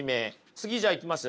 次じゃあいきます？